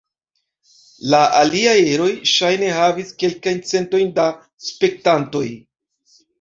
La aliaj eroj ŝajne havis kelkajn centojn da spektantoj.